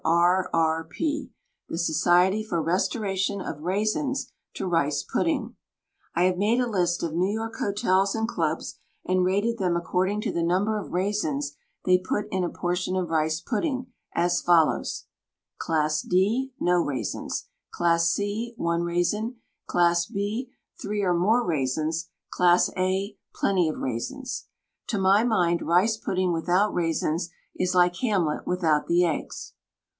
R. R. P, — the Society for Restoration of Raisins to Rice Pudding. I have made a list of New York hotels and clubs and rated them according to the number of raisins they put in a portion of rice pudding as follows: Class D — no raisins Class C — I raisin Class B — 3 or more raisins Class A — plenty of raisins To my mind, rice pudding without raisins is like Hamlet without the eggs.